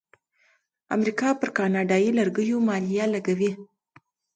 امریکا پر کاناډایی لرګیو مالیه لګوي.